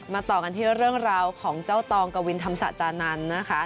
ต่อกันที่เรื่องราวของเจ้าตองกวินธรรมศาจานันทร์นะคะ